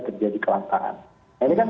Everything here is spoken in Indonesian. terjadi kelangkaan nah ini kan